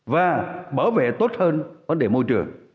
và bảo vệ tốt hơn vấn đề môi trường